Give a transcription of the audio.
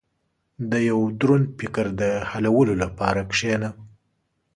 • د یو دروند فکر د حلولو لپاره کښېنه.